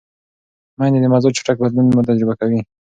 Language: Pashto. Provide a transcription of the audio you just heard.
مېندې د مزاج چټک بدلون تجربه کوي.